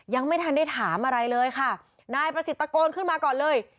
ยังไม่ทันได้ถามอะไรเลยค่ะนายประสิทธิ์ตะโกนขึ้นมาก่อนเลย